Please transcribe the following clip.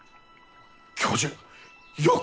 教授よくぞ！